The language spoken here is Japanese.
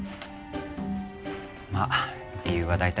まあ理由は大体